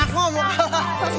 aku gak mau kalah